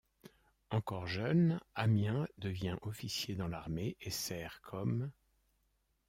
Encore jeune, Ammien devient officier dans l'armée et sert comme '.